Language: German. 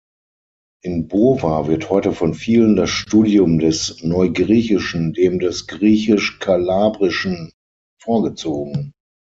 In Bova wird heute von vielen das Studium des Neugriechischen dem des Griechisch-Kalabrischen vorgezogen.